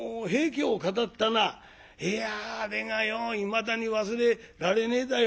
いやあれがよういまだに忘れられねえだよ。